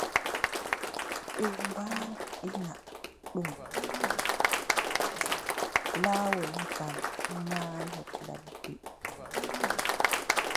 Ɓe mbaɗina ɗum, laawol gal maayo ladde.